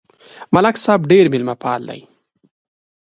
ملک صاحب ډېر مېلمهپاله دی.